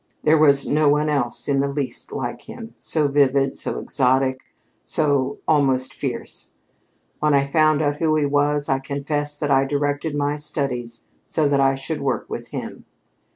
There was no one else in the least like him, so vivid, so exotic, so almost fierce. When I found out who he was, I confess that I directed my studies so that I should work with him.